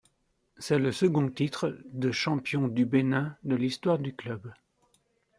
C'est le second titre de champion du Bénin de l'histoire du club.